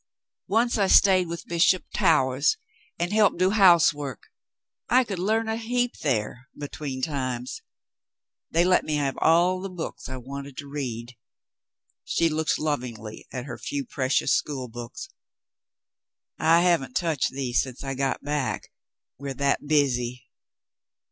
Once I stayed with Bishop Towahs and helped do house work. I could learn a heap there — between times. They let me have all the books I wanted to read." She looked lovingly at her few precious school books. "I haven't touched these since I got back — we're that busy."